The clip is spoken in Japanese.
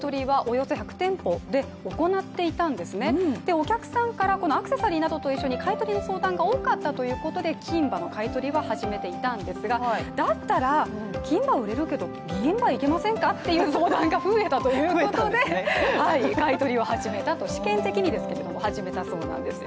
お客さんからアクセサリーなどと一緒に買い取りの相談が多かったということで、金歯の買い取りは始めていたんですがだったら、金歯は売れるけど銀歯いけませんか？という相談が増えたということで、試験的にですけど買い取りを始めたということなんですね。